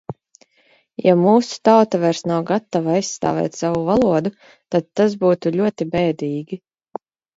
Ja mūsu tauta vairs nav gatava aizstāvēt savu valodu, tad tas būtu ļoti bēdīgi.